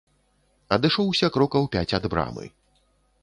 Адышоўся крокаў пяць ад брамы.